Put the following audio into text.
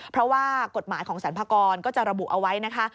เพราะว่ากฎหมายของสรรพากรก็จะระบุเอาไว้นะคะ